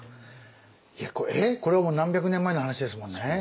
いやえっこれもう何百年前の話ですもんね。